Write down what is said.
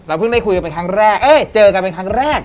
เพิ่งได้คุยกันไปครั้งแรกเออเจอกันเป็นครั้งแรก